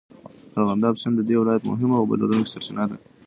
ارغنداب سیند د دې ولایت مهمه اوبهلرونکې سرچینه ده.